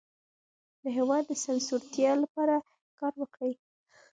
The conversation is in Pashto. د هېواد د سمسورتیا لپاره کار وکړئ.